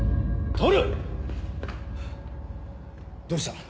どうした？